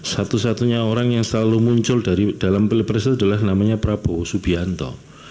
satu satunya orang yang selalu muncul dalam pelipresi adalah namanya prabowo subiak